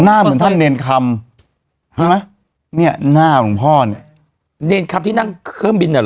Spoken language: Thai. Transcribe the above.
หน้าเหมือนท่านเนรนคำใช่ไหมเนี่ยหน้าของพ่อเนรนคำที่นั่งเครื่องบินอ่ะเหรอ